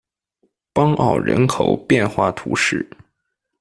邦奥人口变化图示